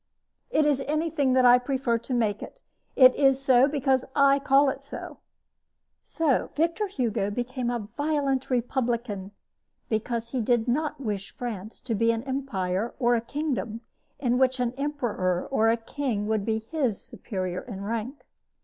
It is anything that I prefer to make it. It is so, because I call it so!" So, Victor Hugo became a violent republican, because he did not wish France to be an empire or a kingdom, in which an emperor or a king would be his superior in rank.